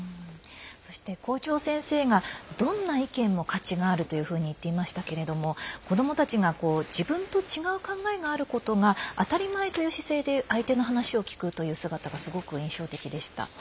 そして、校長先生がどんな意見も価値があるというふうに言ってましたけれども子どもたちが自分と違う考えがあることが当たり前という姿勢で相手の話を聞くという姿勢が印象的でした。